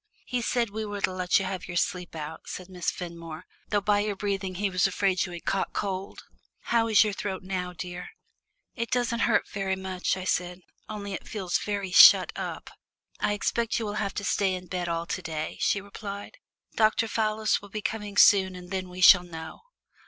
"He said we were to let you have your sleep out," said Miss Fenmore, "though by your breathing he was afraid you had caught cold. How is your throat now, dear?" "It doesn't hurt very much," I said, "only it feels very shut up." "I expect you will have to stay in bed all to day," she replied. "Dr. Fallis will be coming soon and then we shall know."